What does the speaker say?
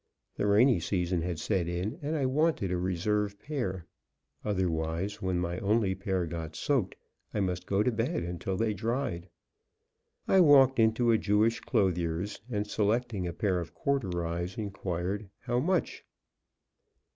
The rainy season had set in, and I wanted a reserve pair. Otherwise, when my only pair got soaked I must go to bed until they dried. I walked into a Jewish clothier's, and, selecting a pair of corduroys, inquired, "How much?"